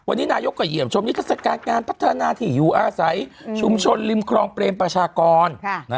วันนี้นายกก็เยี่ยมชมนิทรศการงานพัฒนาที่อยู่อาศัยชุมชนริมครองเปรมประชากร